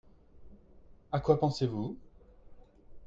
À quoi pensez-vous ?